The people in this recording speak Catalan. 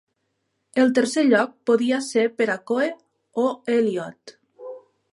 El tercer lloc podia ser per a Coe o Eliiot.